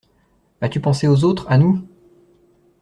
As-tu pensé aux autres, à nous?